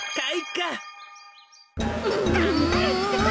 がんばれってか！